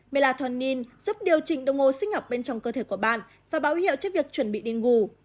melathonin giúp điều chỉnh đồng hồ sinh học bên trong cơ thể của bạn và báo hiệu cho việc chuẩn bị đi ngủ